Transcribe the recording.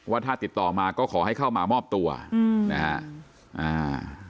ว่าถ้าติดต่อมาก็ขอให้เข้ามามอบตัวนะครับ